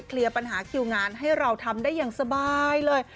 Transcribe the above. เคลียร์ปัญหาคิวงานให้เราทำได้อย่างสบายเลย